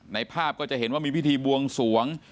ภาพก็จะเห็นว่ามีพิธีบวงสวง